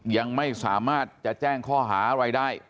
ยังไม่สามารถจะแจ้งข้อหาอะไรได้